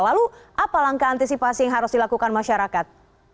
lalu apa langkah antisipasi yang harus dilakukan masyarakat